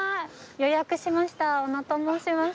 予約しましたおのと申します。